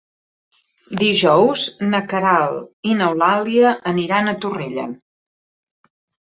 Dijous na Queralt i n'Eulàlia aniran a Torrella.